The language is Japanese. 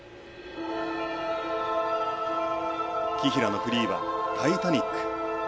紀平のフリーは「タイタニック」。